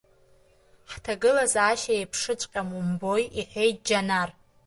Ҳҭагылазаашьа еиԥшыҵәҟьам, умбои, — иҳәеит Џьанар.